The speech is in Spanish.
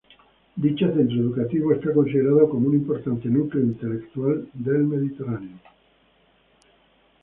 Dicho centro educativo está considerado como un importante núcleo intelectual del Mediterráneo.